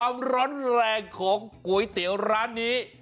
ความร้อนแรงของก๋วยเตี๋ยวร้านนี้